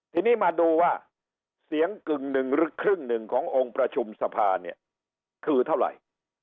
ทีนี้มาดูว่าเสียงกึ่งหนึ่งหรือครึ่งหนึ่งขององค์ประชุมสภาเนี่ยคือเท่าไหร่